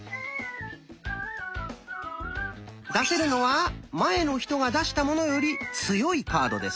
出せるのは前の人が出したものより強いカードです。